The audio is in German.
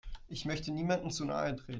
Ich möchte niemandem zu nahe treten.